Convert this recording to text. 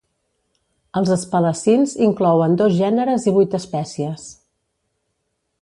Els espalacins inclouen dos gèneres i vuit espècies.